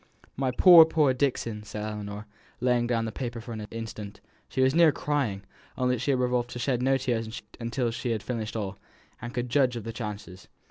"My poor, poor Dixon!" said Ellinor, laying down the paper for an instant, and she was near crying, only she had resolved to shed no tears till she had finished all, and could judge of the chances.